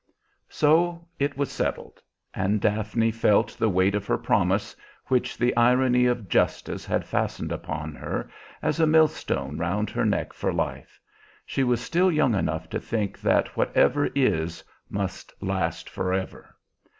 So it was settled; and Daphne felt the weight of her promise, which the irony of justice had fastened upon her, as a millstone round her neck for life; she was still young enough to think that whatever is must last forever.